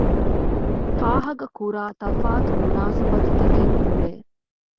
ފާހަގަކުރާ ތަފާތު މުނާސަބަތުތަކެއް ހުރޭ